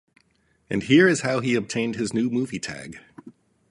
And here is how he obtained his new movie tag.